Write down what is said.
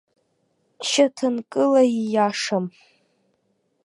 Шьаҭанкыла ииашам.